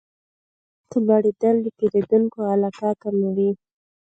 قیمت لوړېدل د پیرودونکو علاقه کموي.